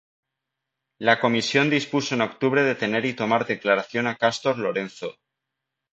La Comisión dispuso en octubre detener y tomar declaración a Castor Lorenzo.